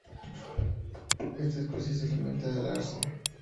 Esta especie se alimenta del arce.